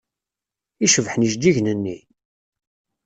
I cebḥen ijeǧǧigen-nni!